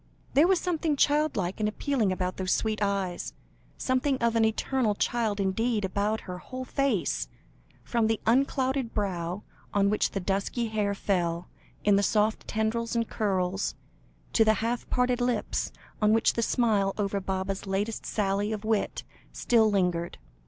There was something child like and appealing about those sweet eyes, something of the eternal child indeed, about her whole face, from the unclouded brow on which the dusky hair fell in soft tendrils and curls, to the half parted lips, on which the smile over Baba's latest sally of wit, still lingered.